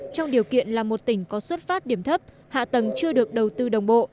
trong điều kiện là một tỉnh có xuất phát điểm thấp hạ tầng chưa được đầu tư đồng bộ